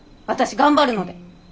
私頑張るので！